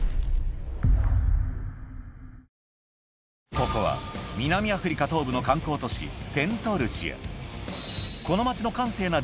ここは南アフリカ東部の観光都市セントルシア